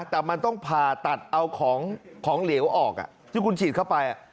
แต่มันต้องผ่าตัดเอาของเหลวออกที่คุณฉีดเข้าไป